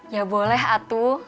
ya boleh atu